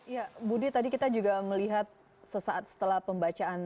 ya budi tadi kita juga melihat sesaat setelah pembacaan